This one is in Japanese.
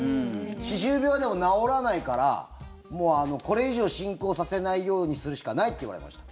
歯周病はでも、治らないからこれ以上進行させないようにするしかないって言われました。